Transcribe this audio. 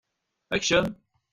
Ekcem!